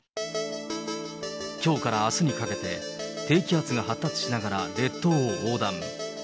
きょうからあすにかけて、低気圧が発達しながら列島を横断。